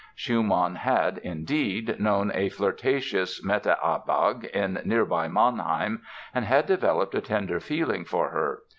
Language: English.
Schumann had, indeed, known a flirtatious Meta Abegg in nearby Mannheim and had developed a tender feeling for her.